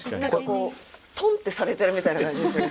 トンってされてるみたいな感じですよね